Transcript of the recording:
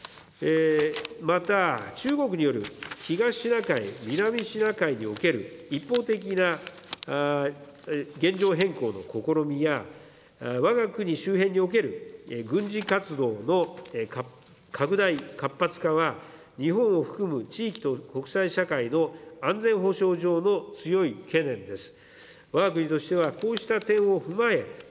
また、中国による東シナ海、南シナ海における一方的な現状変更の試みや、わが国周辺における軍事活動の拡大活発化は、日本を含む地域と国際社会の安全保障上の強い懸念です。